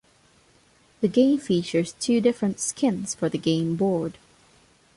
The game features two different "skins" for the game board.